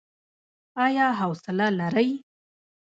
ایا حوصله لرئ؟